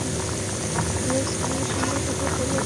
Alex ওদের সঙ্গে কথা বল, তাড়াতাড়ি।